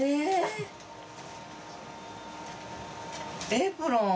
エプロン。